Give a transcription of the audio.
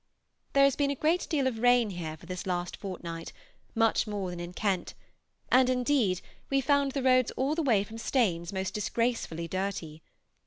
There has been a great deal of rain here for this last fortnight, much more than in Kent, and indeed we found the roads all the way from Staines most disgracefully dirty.